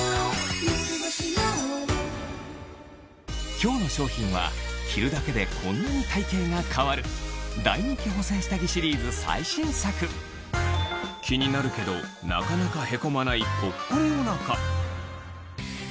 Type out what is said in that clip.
今日の商品は着るだけでこんなに体形が変わる大人気補整下着シリーズ最新作気になるけどなかなかへこまないそこで！